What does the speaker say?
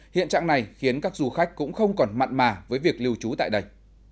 hiện trạng này khiến các du khách cũng không còn mặn mà với việc lưu trú tại đây